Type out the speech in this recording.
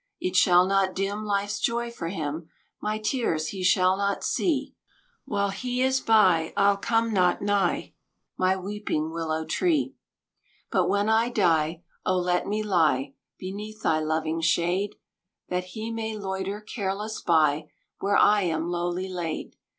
It shall not dim Life's joy for him: My tears he shall not see: While he is by, I'll come not nigh My weeping Willow Tree. "But when I die, oh let me lie Beneath thy loving shade, That he may loiter careless by, Where I am lowly laid.